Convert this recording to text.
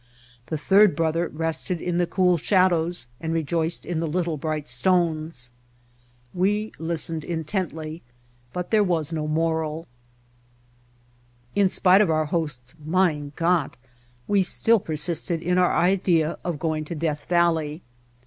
The third brother rested in the cool shadows and rejoiced in the little bright stones." We listened intently, but there was no moral. The White Heart In spite of our host's "Mein Gott!" we still persisted in our idea of going to Death Valley.